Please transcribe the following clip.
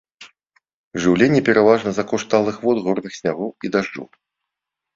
Жыўленне пераважна за кошт талых вод горных снягоў і дажджоў.